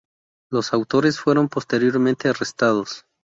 Los autores fueron posteriormente arrestados.